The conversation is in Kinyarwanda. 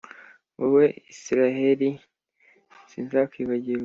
wowe israheli, sinzakwibagirwa.